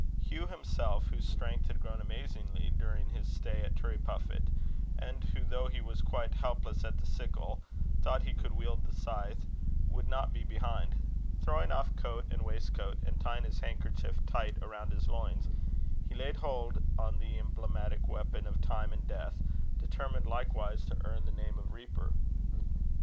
Hugh himself, whose strength had grown amazingly during his stay at Turriepuffit, and who, though he was quite helpless at the sickle, thought he could wield the scythe, would not be behind. Throwing off coat and waistcoat, and tying his handkerchief tight round his loins, he laid hold on the emblematic weapon of Time and Death, determined likewise to earn the name of Reaper.